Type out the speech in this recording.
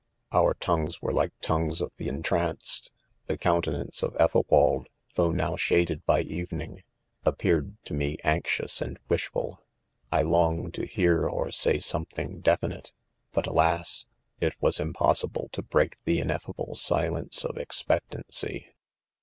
s Our tongues were like tongues of the en tranced | the countenance ©f Ethel wald, though now shaded 'by evening, appeared to toe anx ious and wishful* I long" to hear or say : some.^ thing definite ;— but alas I it was impossible to break the ineffable silence of expectancy.